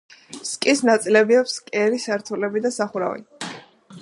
სკის ნაწილებია: ფსკერი, სართულები და სახურავი.